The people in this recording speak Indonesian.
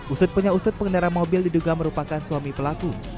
usut punya usut pengendara mobil diduga merupakan suami pelaku